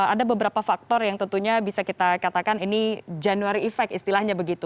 ada beberapa faktor yang tentunya bisa kita katakan ini january effect istilahnya begitu